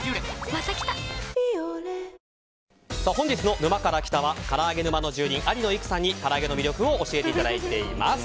「ビオレ」本日の「沼から来た。」はから揚げ沼の住人有野いくさんにから揚げの魅力を教えていただいています。